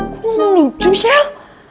kok lucu sel